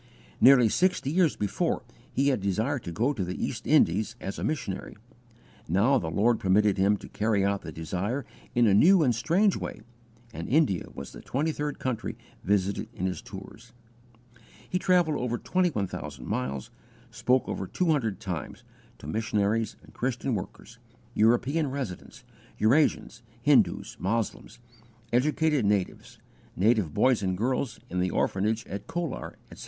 Nearly sixty years before he had desired to go to the East Indies as a missionary; now the Lord permitted him to carry out the desire in a new and strange way, and India was the twenty third country visited in his tours. He travelled over 21,000 miles, and spoke over two hundred times, to missionaries and Christian workers, European residents, Eurasians, Hindus, Moslems, educated natives, native boys and girls in the orphanage at Colar, etc.